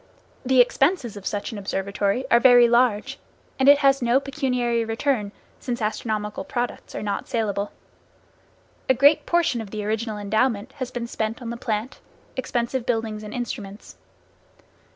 The expenses of such an observatory are very large, and it has no pecuniary return, since astronomical products are not salable. A great portion of the original endowment has been spent on the plant, expensive buildings and instruments.